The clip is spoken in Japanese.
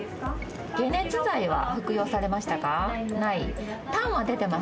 解熱剤は服用されましたか？